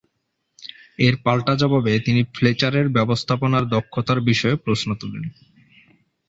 এর পাল্টা জবাবে তিনি ফ্লেচারের ব্যবস্থাপনার দক্ষতার বিষয়ে প্রশ্ন তুলেন।